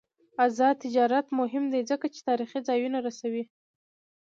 آزاد تجارت مهم دی ځکه چې تاریخي ځایونه رسوي.